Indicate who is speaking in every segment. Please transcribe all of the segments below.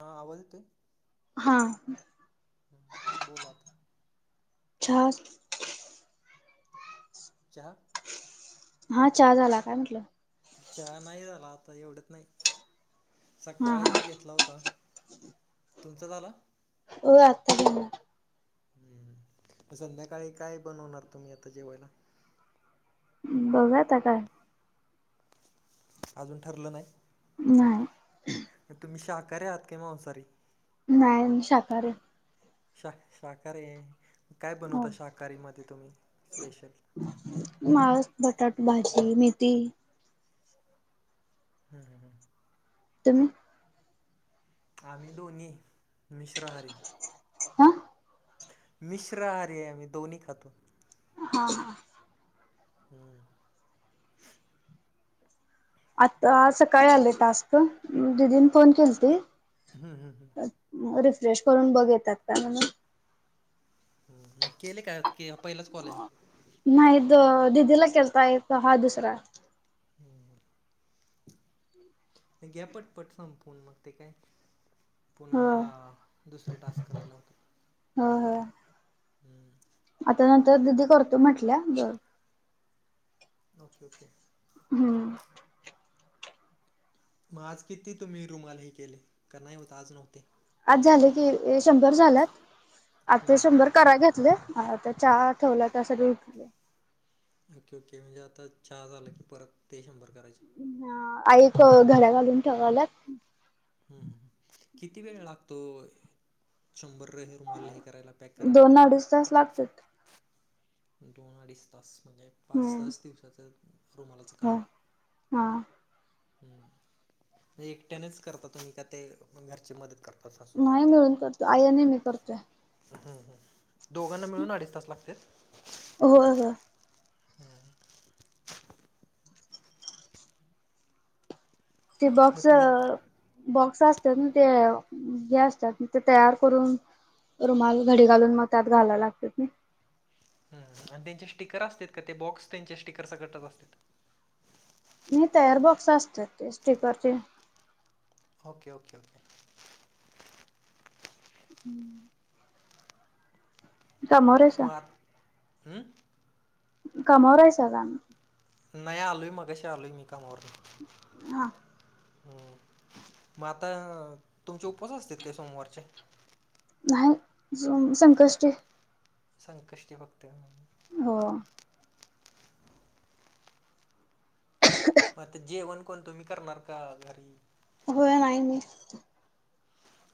Speaker 1: हा, आ बोलतोय.
Speaker 2: हा.
Speaker 1: बोलात.
Speaker 2: छास.
Speaker 1: चहा.
Speaker 2: हा चहा झाला काय म्हटलं?
Speaker 1: चहा नाही झाला, आता एवढयात नाही.
Speaker 2: हा हा
Speaker 1: सकाळी घेत तला होता. तुमच झाला?
Speaker 2: हो आत्ता झाला.
Speaker 1: ह्. संध्याकाळी काय बनवणार तुम्ही, आता जेवायला?
Speaker 2: बघाता काय.
Speaker 1: अजून ठरलं नाही.
Speaker 2: नाही.
Speaker 1: तुम्ही शाकाहारी आहात की मांसाहारी?
Speaker 2: नाही मी शाकाहारीय.
Speaker 1: शा शाकाहारीय. काय
Speaker 2: हो.
Speaker 1: बनवता शाकाहारीमध्ये तुम्ही, स्पेशल?
Speaker 2: माळस, बटाट भाजी, मेथी.
Speaker 1: हम्, ह.
Speaker 2: तुम्ही.
Speaker 1: आम्ही दोनी मिश्रहारी.
Speaker 2: हा
Speaker 1: मिश्रहारीय आम्ही. दोन्ही खातो.
Speaker 2: हा हा
Speaker 1: हम्
Speaker 2: आता सकाळी आले तास्क दीदीने फोन केल ते
Speaker 1: हम् हं हं
Speaker 2: रिफ्रेश करून बघेतात का म्हणून
Speaker 1: मग केले काय पहिलंच कॉले
Speaker 2: नाही द दीदीला केलाया हा दुसरा
Speaker 1: हम्म हम्म घे पट पट संपून मग ते काय. पुन्हा
Speaker 2: होय
Speaker 1: दुसरे टास्क करायला होते
Speaker 2: होय होय
Speaker 1: हम्म.
Speaker 2: आता नंतर दिदी करतो म्हटल्या बर.
Speaker 1: Okay okay.
Speaker 2: हम्म
Speaker 1: मग आज किती तुम्ही रुमालही केले का नाही होता आज नव्हते.
Speaker 2: आज झाले की शंभर झाल्यात आज
Speaker 1: हम्म
Speaker 2: ते
Speaker 1: हम्म
Speaker 2: शंभर करा घेतले. चहा ठेवला का सगळे उठले.
Speaker 1: ओके ओके म्हणजे आता चहा झालं की परत ते शंभर करायचे.
Speaker 2: आई घड्या घालून ठेवालात.
Speaker 1: किती वेळ लागतो शंभर तुम्हाला हे करायला पॅक करायला.
Speaker 2: दोन अडीच तास लागतात.
Speaker 1: दोन अडीच तास म्हणजे पाच
Speaker 2: हम्म
Speaker 1: तास दिवसाचं रुमालाचं
Speaker 2: हो
Speaker 1: काम आहे
Speaker 2: हा
Speaker 1: ह्जे एकट्यानेच करता तुम्ही का ते घरची मदत करता सासूबाई.
Speaker 2: नाही मिळून करत आई नेहमी करतेय
Speaker 1: हम् हम दोघांना मिळून अडीच तास लागते
Speaker 2: हो हो
Speaker 1: हम
Speaker 2: ते बॉक्स
Speaker 1: मग तुम्ही
Speaker 2: बॉक्स असतात ना ते हे असतात ते तयार करून. रुमाल घडी घालून मग त्यात घालाला लागत मी.
Speaker 1: आणि त्यांचे स्टिकर असतात का ते बॉक्स त्यांचे स्टिकर सकडतच असतात.
Speaker 2: नाही तयार बॉक्स असत ते स्टिकरचे.
Speaker 1: ओके ओके ओके
Speaker 2: हम्म कामावर आहेसा
Speaker 1: म आत हम्म
Speaker 2: कामावर आहे अग आम्ही.
Speaker 1: नाही आलोय मगाशी आलोय मी कामावरून.
Speaker 2: हा
Speaker 1: हम् मग आता तुमचे उपवास असत काय सोमवारचे?
Speaker 2: नाही संकष्टी.
Speaker 1: संकष्टी भक्त म्ह.
Speaker 2: हो
Speaker 1: मग जेवण कोण तुम्ही करणार का घरी?
Speaker 2: हो आई मी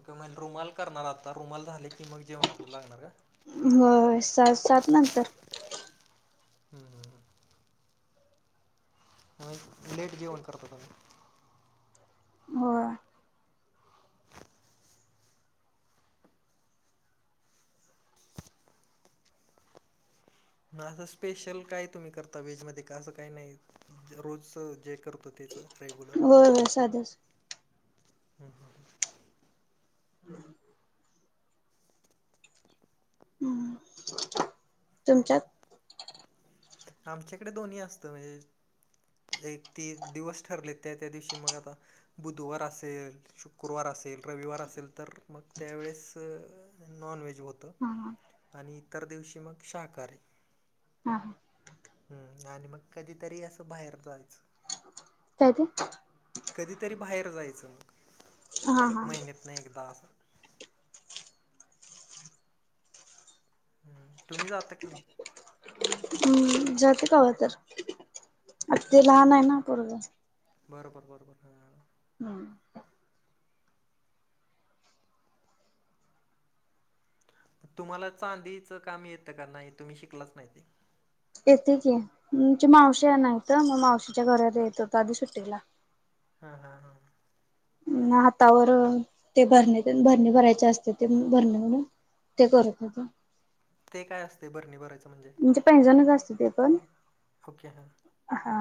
Speaker 1: ओके म्ह रुमाल करणार आता रुमाल झाले की मग जेवणाकडे लागणार का.
Speaker 2: हो स सात नंतर.
Speaker 1: हम्म हम्म मग लेट जेवन करता आम्ही.
Speaker 2: हो
Speaker 1: असं स्पेशल काय तुम्ही करता व्हेजमध्ये का असं काही नाही रोज जे कर तर तेचं रेग्युलर.
Speaker 2: हो साधाच.
Speaker 1: हम हम ह
Speaker 2: हम् ह् तुमच्यात?
Speaker 1: आमच्याकडे दोन्ही असतं म्हणजे एक ती दिवस ठरले त्या त्या दिवशी मग आता. बुधवार असेल शुक्रवार असेल रविवार असेल तर मग त्यावेेळेस नॉन व्हेज होतं
Speaker 2: हा हा
Speaker 1: आणि इतर दिवशी मग शाकाहारारी.
Speaker 2: हम ह
Speaker 1: हम्म आणि मग कधीतरी असं बाहेर जायचं.
Speaker 2: कधी.
Speaker 1: कधीतरी बाहेर जायचं
Speaker 2: हा
Speaker 1: मग
Speaker 2: हा
Speaker 1: महिन्यातन एकदा हम्म तुम्ही जाता की नाही
Speaker 2: हम जाते कवा तर ते लहान आहे
Speaker 1: हम्म,
Speaker 2: ना पोरग
Speaker 1: बरोबर बरोबर हा
Speaker 2: हम्म
Speaker 1: तुम्हाला चांदीच काम येतं का नाही तुम्ही शिकलाच नाही ते
Speaker 2: येते की म्हणे मावशी नाहीत मग मावशीच्या घरात येत होत आधी सुट्टीला
Speaker 1: हा हा हा
Speaker 2: हातावर ते भरणे भरणे भरायचे असते ते भरणे म्हणून ते करत होतो
Speaker 1: ते काय असते भरणी भरायचं म्हणजे
Speaker 2: म्हणजे पैंजणच असत ते पण
Speaker 1: ओके हां
Speaker 2: हा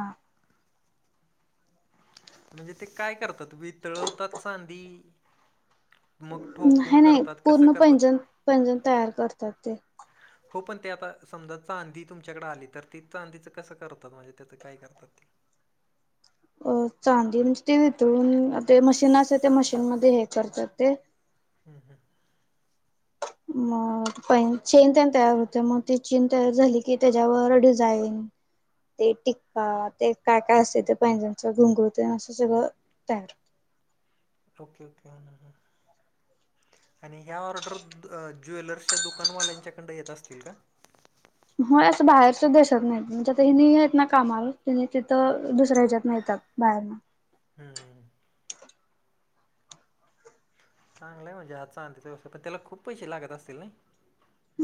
Speaker 1: म्हणजे ते काय करतात वितळवतात चांदी मग ठोकून
Speaker 2: नाही नाही
Speaker 1: करतात कसं
Speaker 2: पूर्ण
Speaker 1: करतात
Speaker 2: पैंजण पैंजण तयार करतात ते
Speaker 1: हो पण ते आता समजा चांदी तुमच्याकडे आली तर ती चांदीच कसं करतात म्हणजे त्याचं काय करतात ते
Speaker 2: [inaudible] अ चांदी म्हणजे ते वितळून ते मशीन असतय त्या मशीनमध्ये हे करतात ते
Speaker 1: हम् हम
Speaker 2: मग प चेन त्यान तयार होते मग ती चेन तयार झाली की त्याच्यावर डिझाईन ते टिक्का ते काय काय असते ते पैंजणाचे घुंगरू असं सगळं तयार
Speaker 1: ओके ओके हो ह आणि ह्या ऑर्डर ज्वेलर्सच्या दुकानवाल्यांच्या कडन येत असत्यात काय
Speaker 2: हो असं बाहेरच देशात नाही म्हणजे त हि येत ना कामावर ति तिथं दुसऱ्या ह्याच्यात नाही येतात बाहेर न
Speaker 1: हम्म चांगलंय म्हणजे हा चांदीचा व्यवसाय त्याला खूप पैसे लागत असतील नई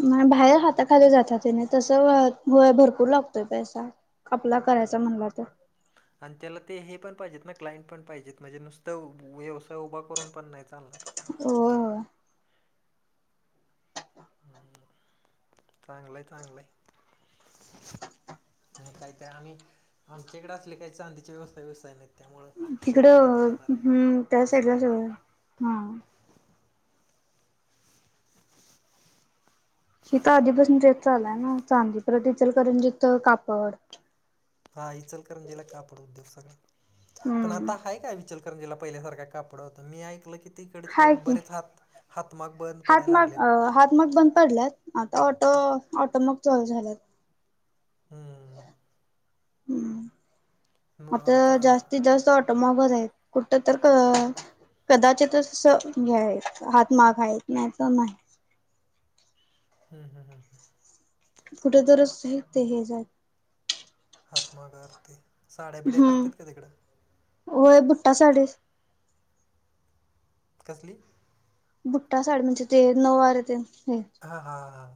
Speaker 2: म बाहेर हाताखाली जातात त्याने तस भरपूर लागतोय पैसा आपला करायचा
Speaker 1: हम्म.
Speaker 2: म्हणला तर
Speaker 1: आणि त्याला ते हे पण पाहिजेत ना क्लाइंट पण पाहिजेत म्हणजे नुसतं व्यवसाय उभा करून पण नाही चालणार
Speaker 2: हो
Speaker 1: ह चांगलंय चांगलंय आणि काहीतरी आम्ही आमच्याकडे असले काही चांदीची व्यवसाय बिव्यवसाय नाहीत त्यामुळे
Speaker 2: तिकडं हम्म त्या साईडला
Speaker 1: सगळी
Speaker 2: हा शी तर आधीपासून तेच चालूय ना चांदी पर [unintelligible] करून जथं कापड
Speaker 1: हा इचलकरंजीला कापडउद्योग सगळा पण
Speaker 2: हम्म
Speaker 1: आता हाय काय इचल इचलकरंजीला पहिल्यासारख कापडंत मी ऐकलं की तिकडेच
Speaker 2: हाय की.
Speaker 1: बरेच हात हातमाग बंद पडायला लागलेत.
Speaker 2: हात मग बंद पडल्यात. आता ऑटो ऑटो मग चालू झाला.
Speaker 1: हम्.
Speaker 2: हम्म
Speaker 1: म
Speaker 2: आता
Speaker 1: चा
Speaker 2: जास्तीत जास्त ऑटोमबल आहेत कुठ तर कदाचितच हे हाय हात मागयेत नाही तर नाही.
Speaker 1: हम् हम हम हम.
Speaker 2: कुठे दुरूस्त ते हे जाय.
Speaker 1: हात मागाया आलते, साड्या बिड्या
Speaker 2: हम्म.
Speaker 1: करत्यात का तिकडं.
Speaker 2: होय बुटा साडी
Speaker 1: कसली?
Speaker 2: बुट्टा साडी म्हणजे. ते नऊ वार ते होय.
Speaker 1: हा हा हां.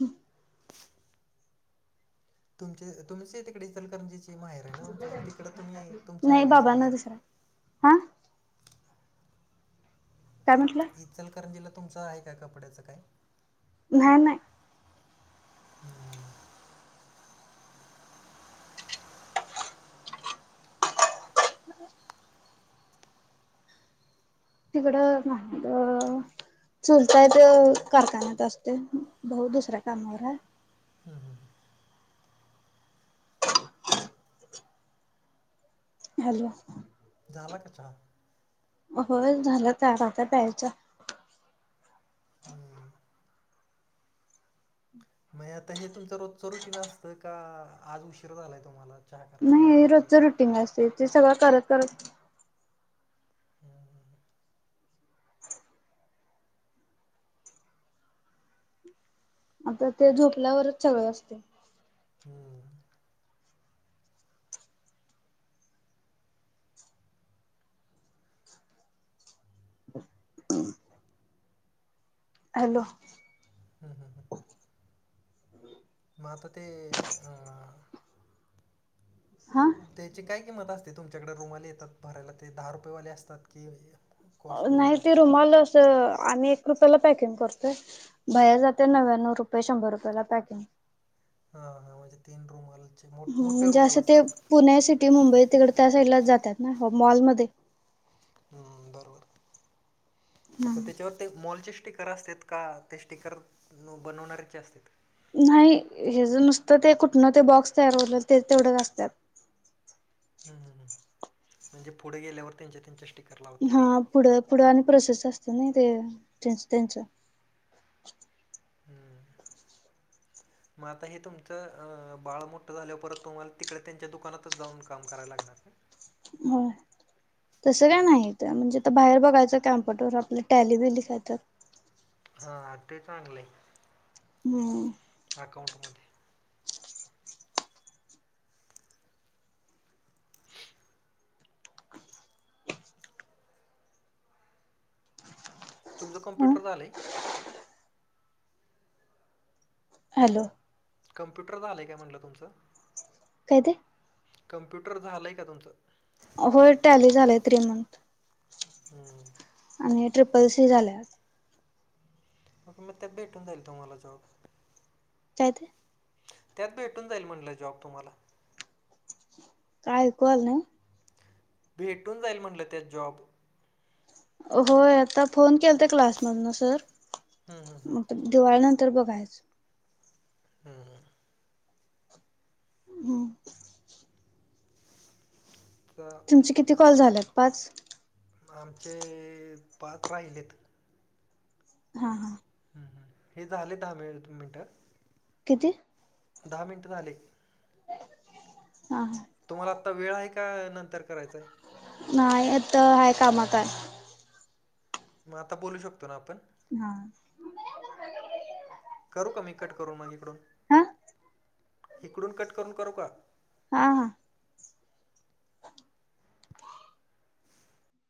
Speaker 2: हम्.
Speaker 1: तुमचे तुमच तिकडे इचलकरंची ची माहेर आहे ना, तुम तिकडे तुम्ही तुमच्या ह्या
Speaker 2: नाही
Speaker 1: ऐकाचं हे.
Speaker 2: बाबांना दुसरा हा. काय म्हटलं?
Speaker 1: इचलकरंजीला तुमचं आहे काय कपड्याचं काय.
Speaker 2: नाही नाही.
Speaker 1: ह.
Speaker 2: ह. तिकडं. चुलताय ते कारखान्यात असतय भाऊ दुसऱ्या कामावर आहे.
Speaker 1: हं हं.
Speaker 2: हॅलो.
Speaker 1: झाला का चहा.
Speaker 2: होय झाला चहा आता प्यायचा.
Speaker 1: हम्म. मग आता हे तुमचं रोजचं रुटीन असतं का आज उशीर झालाय तुम्हाला. चहा कराय
Speaker 2: नाही
Speaker 1: ए, ह्याला
Speaker 2: रोजच रुटीन असते. ते सगळं करत करत.
Speaker 1: ह.
Speaker 2: आता ते झोपल्यावरच सगळं असते.
Speaker 1: हम्म.
Speaker 2: [inaudible] हॅलो.
Speaker 1: हां हां हां. मा तर ते. अं,
Speaker 2: हां.
Speaker 1: त्याची काय किंमत असते. तुमच्याकडे रुमाली येतात भरायला ते दहा रुपयेवाले असतात की,
Speaker 2: नाही
Speaker 1: कॉस्टलीवाले
Speaker 2: ते
Speaker 1: असतात
Speaker 2: रुमाल अस आम्ही एक रुपयाला पॅकिंग करतोय. बाहेर जाते नव्यानव्व रूपये शंभर रुपयाला पॅकिंग.
Speaker 1: हा हा म्हणजे तीन रूमाल.
Speaker 2: ह म्हणजे असं ते पुणे सिटी, मुंबई तिकड त्या साईडला जातात ना मॉलमध्ये.
Speaker 1: बरोबर तर त्याच्यावर ते मॉलचे स्टिकर असत का ते स्टिकर बनवणारचे असते.
Speaker 2: नाही हे ज नुसतं ते कुठनं ते बॉक्स तयार होयल असते तेवढंच असत्यात.
Speaker 1: हम्म हम म्हणजे पुढे गेल्यावर त्यांच्या त्यांच्या. स्टिकर लावतात
Speaker 2: हा पुढं पुढं आणि प्रोसेस असत ना ते त्यांच त्यांच.
Speaker 1: हम्म.
Speaker 2: [inaudible]
Speaker 1: मग आता हे तुमचं अ बाळ मोठं झाल्यावर परत तुम्हाला तिकडे त्यांच्या दुकानातच जाऊन काम करायला लागणार.
Speaker 2: हो तसं काय नाही म्हणजे तर बाहेर बघायचं कॅम्प्युटरवर आपल्या टॅली बी लि काय तर.
Speaker 1: हा ते चांगलं आहे.
Speaker 2: हम्म
Speaker 1: अकाउंटमध्ये. तुमंच
Speaker 2: ह
Speaker 1: कम्पुटर झालंय.
Speaker 2: हॅलो.
Speaker 1: कम्प्युटर झालंय काय म्हटलं तुमचं?
Speaker 2: काय तेे.
Speaker 1: कम्प्युटर झालंय का तुमचं?
Speaker 2: होय टॅली झालेय थ्री मंथ
Speaker 1: हम्म.
Speaker 2: आणि ट्रिपल सी झाल्या.
Speaker 1: े मग ते भेटून जाईल तुम्हाला जॉब
Speaker 2: काय ते.
Speaker 1: त्यात भेटून जाईल म्हंटलं जॉब तुम्हाला
Speaker 2: काय ऐकवाल नाही.
Speaker 1: भेटून जाईल म्हटलं त्या जॉब.
Speaker 2: होय आता फोन केला क्लासमधन सर.
Speaker 1: हम्म, हम्म, हम्म,
Speaker 2: दिवाळी नंतर बघायचं.
Speaker 1: ह.
Speaker 2: हम्म.
Speaker 1: तर.
Speaker 2: तुमचे किती कॉल झालेत पाच.
Speaker 1: आमचे पात राहिलेत.
Speaker 2: हा हा
Speaker 1: हम् हम हे झा आले दहा मिनटं
Speaker 2: किती.
Speaker 1: दहा मिनटं झाले.
Speaker 2: हा.
Speaker 1: तुम्हाला आत्ता वेळ आहे का नंतर करायचाय.
Speaker 2: नाही येत हाय कामा काय.
Speaker 1: मग आता बोलू शकतो ना आपण.
Speaker 2: हा.
Speaker 1: करू का मी कट करून माग इकडून.
Speaker 2: हा
Speaker 1: हिकडून कट करून करू का.
Speaker 2: हा हा.
Speaker 1: [inaudible]